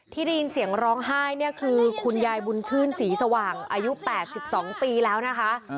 ที่ได้ยินเสียงร้องไห้เนี่ยคือคุณยายบุญชื่นศรีสว่างอายุ๘๒ปีแล้วนะคะ